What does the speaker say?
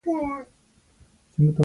قلم د زړونو خبرې بیانوي.